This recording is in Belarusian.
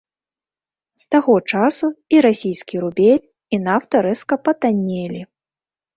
З таго часу і расійскі рубель, і нафта рэзка патаннелі.